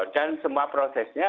dan semua prosesnya